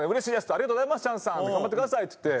ありがとうございますチャンスさん」「頑張ってください！！」っつって。